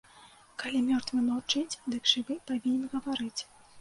Калі мёртвы маўчыць, дык жывы павінен гаварыць.